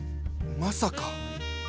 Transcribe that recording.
まさか。